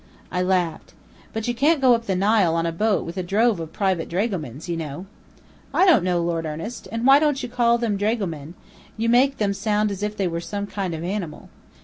I laughed. "But you can't go up the Nile on a boat with a drove of private dragomans, you know!" "I don't know, Lord Ernest. And why don't you call them dragomen? You make them sound as if they were some kind of animal."